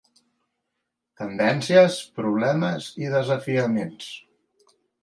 Tendències, Problemes i Desafiaments.